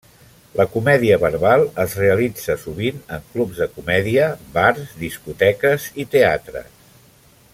La comèdia verbal es realitza sovint en clubs de comèdia, bars, discoteques i teatres.